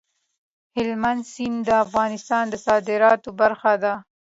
هلمند سیند د افغانستان د صادراتو برخه ده.